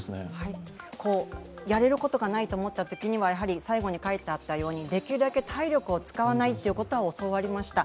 やれることがないと思ったときには最後に書いてあったようにできるだけ体力を使わないということは教わりました。